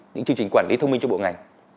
những chương trình quản lý thông minh cho bộ ngành